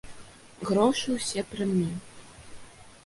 Грошы ўсе пры мне.